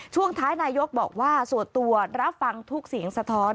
ช่วงท้ายนายกบอกว่าส่วนตัวรับฟังทุกเสียงสะท้อน